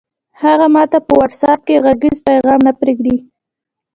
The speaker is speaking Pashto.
هغه ماته په وټس اپ کې غږیز پیغام نه پرېږدي!